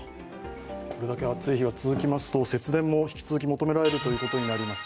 これだけ暑い日が続きますと、節電も引き続き求められるということになります。